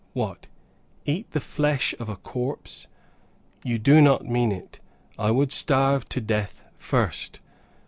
"What! eat the flesh of a corpse? You do not mean it. I would starve to death first!"